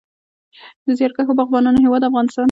د زیارکښو باغبانانو هیواد افغانستان.